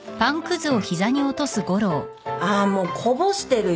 あもうこぼしてるよ